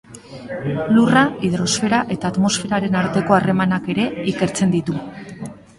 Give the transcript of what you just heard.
Lurra, hidrosfera eta atmosferaren arteko harremanak ere ikertzen ditu.